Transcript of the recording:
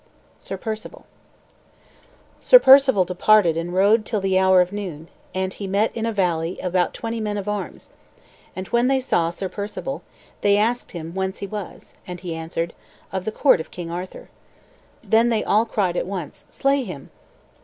SIR PERCEVAL Sir Perceval departed and rode till the hour of noon; and he met in a valley about twenty men of arms. And when they saw Sir Perceval, they asked him whence he was; and he answered: "Of the court of King Arthur." Then they cried all at once, "Slay him."